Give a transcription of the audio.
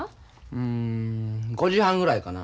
うん５時半ぐらいかな。